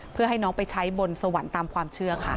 เพื่อให้น้องไปใช้บนสวรรค์ตามความเชื่อค่ะ